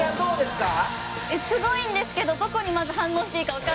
すごいんですけどどこにまず反応していいかわからない。